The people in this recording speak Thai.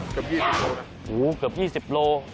เกือบ๒๐โลนะเกือบ๒๐โล